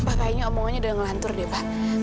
pak kayaknya omongannya udah ngelantur deh pak